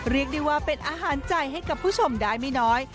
เรียกได้ว่าเป็นอาหารใจให้กับผู้ชมได้ไม่น้อย